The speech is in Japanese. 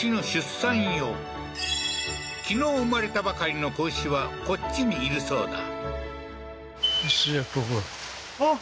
昨日生まれたばかりの子牛はこっちにいるそうだ